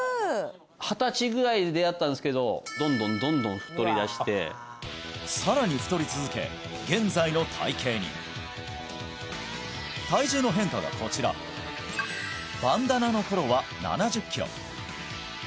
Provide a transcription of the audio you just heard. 二十歳ぐらいに出会ったんですけどどんどんどんどん太りだしてさらに太り続け現在の体形に体重の変化がこちらバンダナの頃は７０キロ